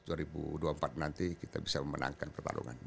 agar pada pilpres dua ribu dua puluh empat nanti kita bisa memenangkan pertempuran ini